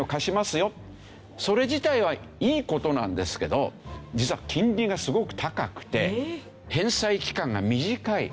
それ自体はいい事なんですけど実は金利がすごく高くて返済期間が短い。